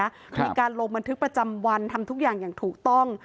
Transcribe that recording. มีการลงบันทึกประจำวันทำทุกอย่างอย่างถูกต้อง